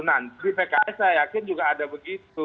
nanti pks saya yakin juga ada begitu